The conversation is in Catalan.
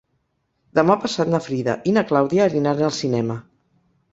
Demà passat na Frida i na Clàudia aniran al cinema.